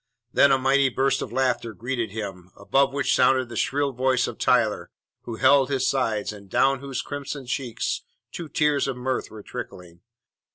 Then a mighty burst of laughter greeted him, above which sounded the shrill voice of Tyler, who held his sides, and down whose crimson cheeks two tears of mirth were trickling.